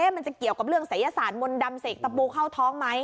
มันจะเกี่ยวกับเรื่องศัยศาสตร์มนต์ดำเสกตะปูเข้าท้องไหม